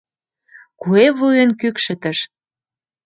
Куэ вуйын кӱкшытыш